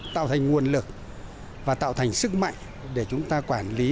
tạo thành nguồn lực và tạo thành sức mạnh để chúng ta quản lý